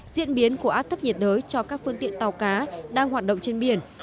diễn biến của áp thấp nhiệt đới cho các phương tiện tàu cá đang hoạt động trên biển